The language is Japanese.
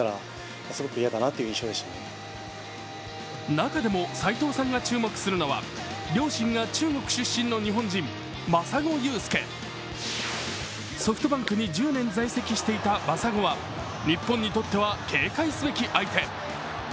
中でも斎藤さんが注目するのは、両親が中国出身の日本人、真砂勇介ソフトバンクに１０年在籍していた真砂は日本にとっては警戒すべき相手。